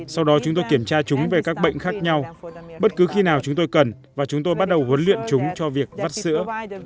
sau đó chúng tôi kiểm tra chúng về các bệnh khác nhau bất cứ khi nào chúng tôi cần và chúng tôi bắt đầu huấn luyện chúng cho việc vắt sữa